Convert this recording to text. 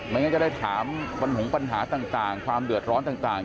งั้นจะได้ถามปัญหาต่างความเดือดร้อนต่าง